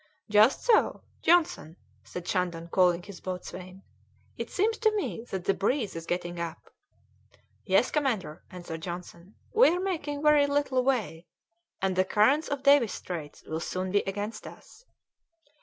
"Just so, Johnson," said Shandon, calling his boatswain. "It seems to me that the breeze is getting up." "Yes, commander," answered Johnson; "we are making very little way, and the currents of Davis's Straits will soon be against us."